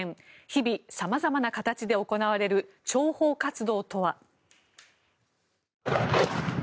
日々、様々な形で行われる諜報活動とは。